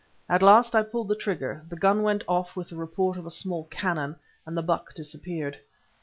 At last I pulled the trigger, the gun went off with the report of a small cannon, and the buck disappeared.